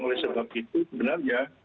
oleh sebab itu sebenarnya